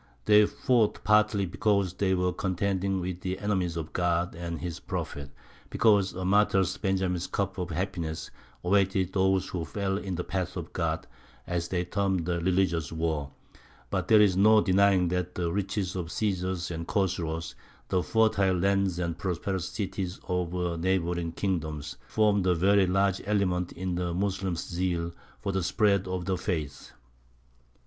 They fought partly because they were contending with the enemies of God and His Prophet, because a martyr's Benjamin's cup of happiness awaited those who fell in "the path of God," as they termed the religious war; but there is no denying that the riches of Cæsars and Chosroes, the fertile lands and prosperous cities of the neighbouring kingdoms, formed a very large element in the Moslems' zeal for the spread of the faith.